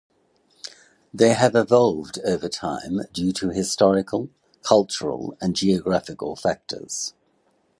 They have evolved over time due to historical, cultural, and geographical factors.